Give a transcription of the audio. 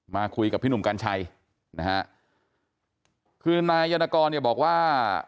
มาคุยกับพี่หนุ่มกัญชัยนะฮะคือนายนกรเนี่ยบอกว่า